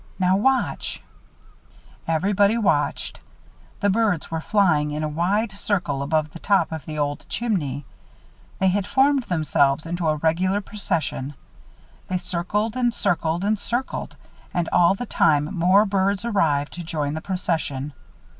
Now watch." Everybody watched. The birds were flying in a wide circle above the top of the old chimney. They had formed themselves into a regular procession. They circled and circled and circled; and all the time more birds arrived to join the procession.